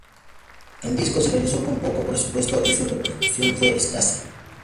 El disco se realizó con poco presupuesto y su repercusión fue escasa.